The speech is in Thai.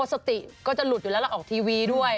สติก็จะหลุดอยู่แล้วเราออกทีวีด้วย